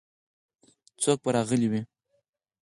څوک به راغلي وي.